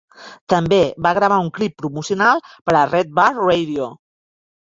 També va gravar un clip promocional per a Red Bar Radio.